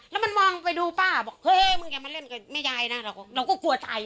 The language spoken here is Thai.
แล้วมันมองไปดูพ่อเมื่องานมาเล่นกับแม่ยายนะเราก็กลัวจ่าย